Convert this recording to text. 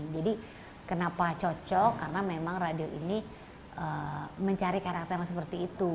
jadi kenapa cocok karena memang radio ini mencari karakter yang seperti itu